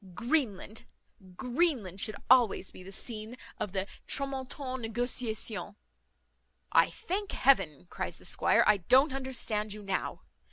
Greenland Greenland should always be the scene of the tramontane negociation." "I thank Heaven," cries the squire, "I don't understand you now.